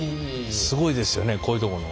すごいですよねこういうとこの。